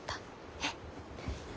えっ？